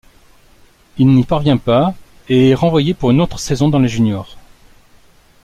Il n'y parvient pas et est renvoyé pour une autre saison dans les juniors.